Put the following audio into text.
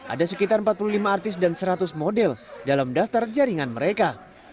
ada sekitar empat puluh lima artis dan seratus model dalam daftar jaringan mereka